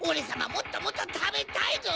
もっともっとたべたいぞ！